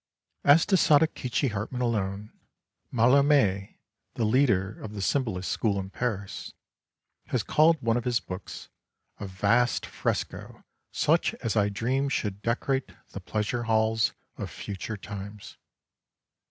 As to Sadakichi Hartmann alone, Mallarme, the leader of the Sym bolist School in Paris, has called one of his books " a vast fresco such as I dream should decorate the pleasure halls of future times.